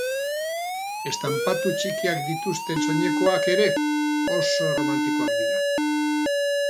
Estanpatu txikiak dituzten soinekoak ere oso erromantikoak dira.